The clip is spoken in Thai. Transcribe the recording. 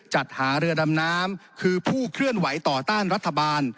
จัดหาเรือดำน้ำคือผู้เคลื่อนไหวต่อต้านรัฐบาล